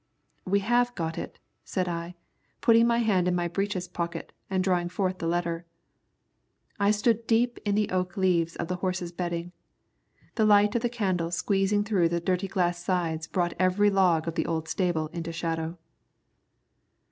"We have got it," said I, putting my hand in my breeches pocket and drawing forth the letter. I stood deep in the oak leaves of the horses' bedding. The light of the candle squeezing through the dirty glass sides brought every log of the old stable into shadow.